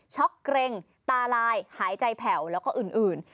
เกร็งตาลายหายใจแผ่วแล้วก็อื่น